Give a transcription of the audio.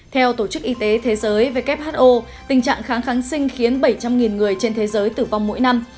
theo tổ chức y tế thế giới who tình trạng kháng kháng sinh khiến bảy trăm linh người trên thế giới tử vong mỗi năm